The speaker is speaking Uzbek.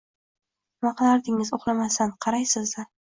Nima qilardingiz, uxlamasdan qaraysiz-da